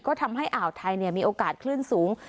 ก็ทำให้อ่าวไทยมีโอกาสคลื่นสูง